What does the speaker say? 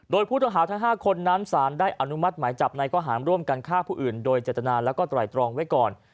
โดยผู้ต้องหาทั้ง๕คนนั้นสารได้อนุมัติหมายจับในข้อหารร่วมกันฆ่าผู้อื่นโดยเจตนาแล้วก็ไตรตรองไว้ก่อน